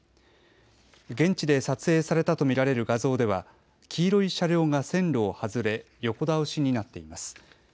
現地で撮影されたと見られる画像では黄色い車両が線路を外れ横倒しになっています。